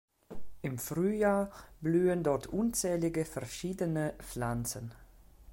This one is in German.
Im Frühjahr blühen dort unzählige verschiedene Pflanzen.